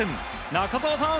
中澤さん